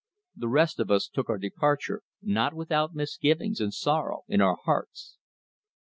The rest of us took our departure, not without misgivings and sorrow in our hearts.